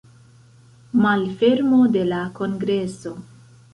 Malfermo de la kongreso.